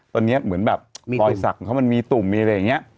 ตอนนี้เหมือนแบบรอยสักเขามันมีตุ่มมีอะไรอย่างนี้